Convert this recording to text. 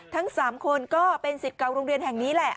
ทั้ง๓คนก็เป็นสิทธิ์เก่าโรงเรียนแห่งนี้แหละ